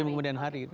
di kemudian hari gitu